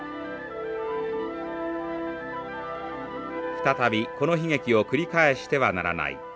再びこの悲劇を繰り返してはならない。